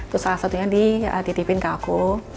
terus salah satunya dititipin ke aku